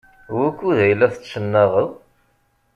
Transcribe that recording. Wukud ay la tettnaɣeḍ?